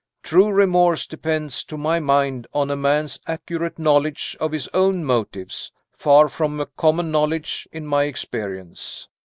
True remorse depends, to my mind, on a man's accurate knowledge of his own motives far from a common knowledge, in my experience.